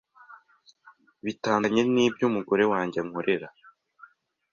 bitandukanye n’ibyo umugore wanjye ankorera.